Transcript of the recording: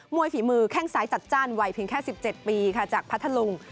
ฝีมือแข้งซ้ายจัดจ้านวัยเพียงแค่๑๗ปีค่ะจากพัทธลุง